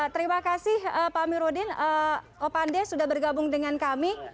terima kasih pak amiruddin opande sudah bergabung dengan kami